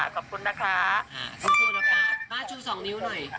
สู้สู้นะป้ามาชู้สองนิ้วหน่อย